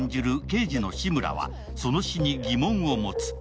刑事の志村はその死に疑問を持つ。